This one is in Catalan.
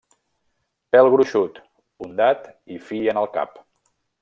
Pèl gruixut, ondat i fi en el cap.